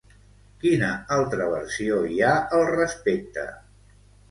Quina altra versió hi ha al respecte?